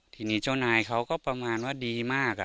ทีนี้เจ้านายเขาก็ประมาณว่าดีมาก